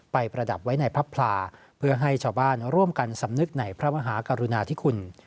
ประดับไว้ในพระพลาเพื่อให้ชาวบ้านร่วมกันสำนึกในพระมหากรุณาธิคุณ